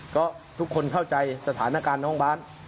ก็ทุกคนเข้าใจสถานการณ์น้องบาท